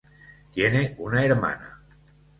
Tiene una hermana.